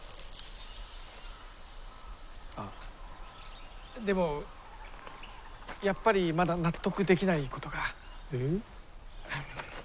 あでもやっぱりまだ納得できないことが。え？